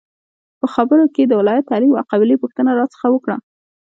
په خبرو کې یې د ولایت، تعلیم او قبیلې پوښتنه راڅخه وکړه.